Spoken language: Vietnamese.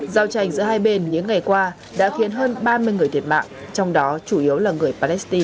giao tranh giữa hai bên những ngày qua đã khiến hơn ba mươi người thiệt mạng trong đó chủ yếu là người palestine